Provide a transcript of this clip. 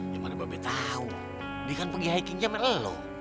gimana bebe tau dia kan pergi hiking jam lalu